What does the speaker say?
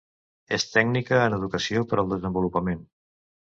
És tècnica en Educació per al Desenvolupament.